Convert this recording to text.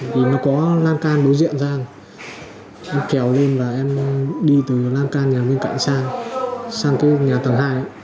thì nó có lan can đối diện ra em kèo lên và em đi từ lan can nhà bên cạnh sang cái nhà tầng hai